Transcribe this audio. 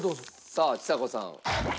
さあちさ子さん。